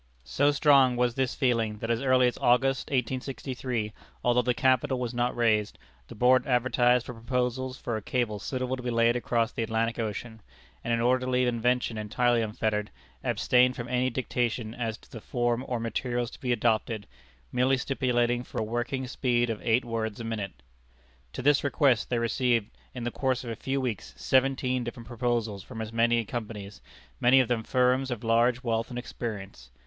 So strong was this feeling, that as early as August, 1863, although the capital was not raised, the Board advertised for proposals for a cable suitable to be laid across the Atlantic Ocean; and in order to leave invention entirely unfettered, abstained from any dictation as to the form or materials to be adopted, merely stipulating for a working speed of eight words a minute. To this request they received, in the course of a few weeks, seventeen different proposals from as many companies, many of them firms of large wealth and experience.